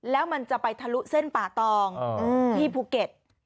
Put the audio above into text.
แล้วมันจะไปทะลุเส้นป่าตองที่ภูเก็ต